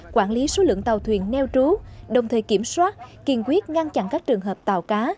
quản lý số lượng tàu thuyền neo trú đồng thời kiểm soát kiên quyết ngăn chặn các trường hợp tàu cá